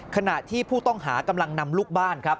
ขณะที่ผู้ต้องหากำลังนำลูกบ้านครับ